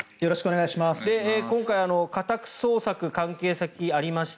今回、家宅捜索関係先にありました。